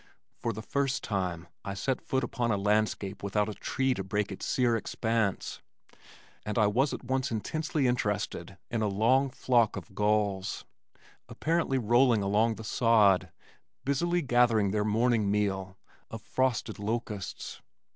For the first time I set foot upon a landscape without a tree to break its sere expanse and I was at once intensely interested in a long flock of gulls, apparently rolling along the sod, busily gathering their morning meal of frosted locusts.